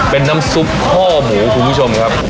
เป็นน้ำซุปข้อหมูคุณผู้ชมครับ